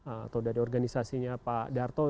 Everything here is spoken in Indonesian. atau dari organisasinya pak darto